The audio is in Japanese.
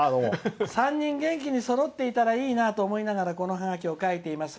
３人、元気にそろっていたらいいなと思いながらこのハガキを書いています。